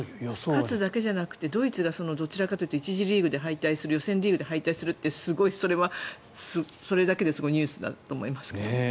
勝つだけじゃなくてドイツがどちらかというと１次リーグで敗退する予選リーグで敗退するってそれだけですごいニュースだと思いますけど。